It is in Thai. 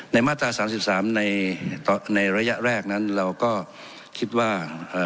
มาตราสามสิบสามในในระยะแรกนั้นเราก็คิดว่าเอ่อ